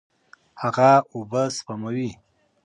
هغه اوبه سپموي.